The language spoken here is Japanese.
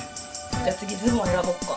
じゃあつぎズボンえらぼうか。